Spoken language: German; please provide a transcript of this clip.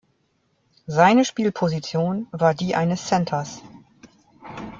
Seine Spielposition war die eines Centers.